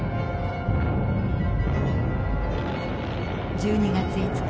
１２月５日。